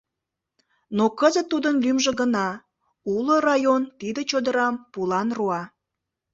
Но кызыт тудын лӱмжӧ гына: уло район тиде чодырам пулан руа.